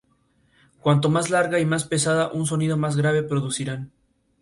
Cuanto más largas y más pesadas, un sonido más grave producirán.